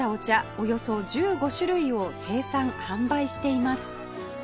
およそ１５種類を生産販売しています